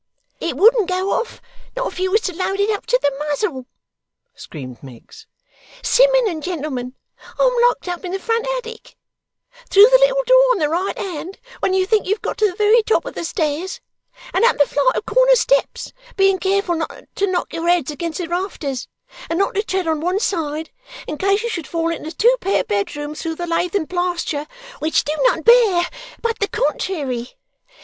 'It wouldn't go off, not if you was to load it up to the muzzle,' screamed Miggs. 'Simmun and gentlemen, I'm locked up in the front attic, through the little door on the right hand when you think you've got to the very top of the stairs and up the flight of corner steps, being careful not to knock your heads against the rafters, and not to tread on one side in case you should fall into the two pair bedroom through the lath and plasture, which do not bear, but the contrairy.